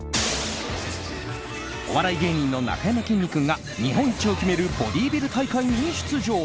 お笑い芸人のなかやまきんに君が日本一を決めるボディービル大会に出場。